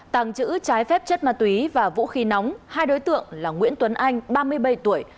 tàng trữ trái phép chất ma túy và vũ khí nóng hai đối tượng là nguyễn tuấn anh ba mươi bảy tuổi